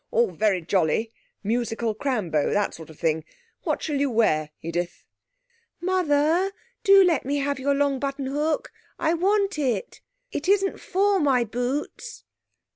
'All very jolly musical crambo that sort of thing.... What shall you wear, Edith?' 'Mother, do let me have your long buttonhook. I want it. It isn't for my boots.'